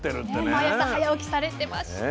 毎朝早起きされてました。